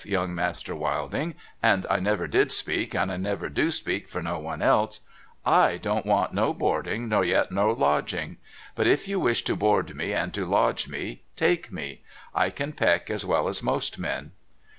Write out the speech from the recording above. Young Master Wilding — and I never did speak and I never do speak for no one else —/ don't want no boarding nor yet no lodging. But if you wish to board me and to lodge me, take me. I can peck as well as most men.